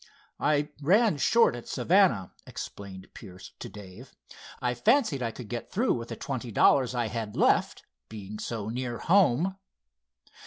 "I ran short at Savannah," explained Pierce to Dave. "I fancied I could get through with the twenty dollars I had left, being so near home."